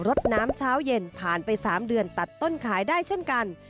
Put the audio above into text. ดน้ำเช้าเย็นผ่านไป๓เดือนตัดต้นขายได้เช่นกัน